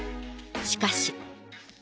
しかし。